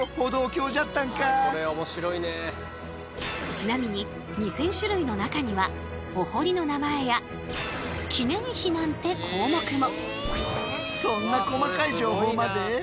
ちなみに２，０００種類の中にはお濠の名前や記念碑なんて項目も。